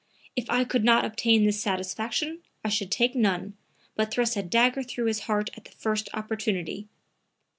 If I could not obtain this satisfaction I should take none, but thrust a dagger through his heart at the first opportunity.